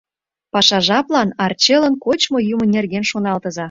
Паша жаплан арчелын кочмо-йӱмӧ нерген шоналтыза...